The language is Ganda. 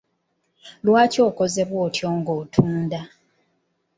Lwaki okoze bw'otyo nga otunda?